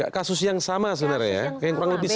kasus yang sama sebenarnya ya yang kurang lebih